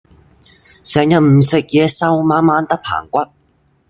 成日唔食嘢瘦蜢蜢得棚骨